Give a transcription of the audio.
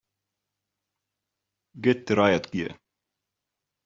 Get the riot gear!